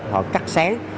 họ cắt xé